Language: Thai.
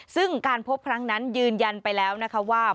ซึ่งการพบครั้งนั้นยืนยันไปแล้วนะคะว่า